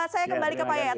saya kembali ke pak yayat